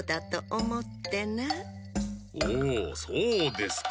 おおそうですか。